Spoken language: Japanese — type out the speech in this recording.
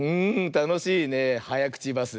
たのしいねはやくちバス。